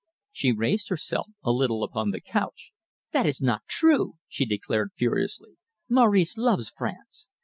She raised herself a little upon the couch. "That is not true," she declared furiously. "Maurice loves France.